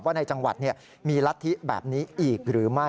ว่าในจังหวัดนี่มีลัดทิแบบนี้อีกหรือไม่